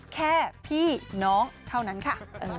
แค่พี่น้องเท่านั้นค่ะ